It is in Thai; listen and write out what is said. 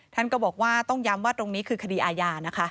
ท่านก็บอกว่าต้องย้ำว่าตรงนี้คือคดีอาญานะคะ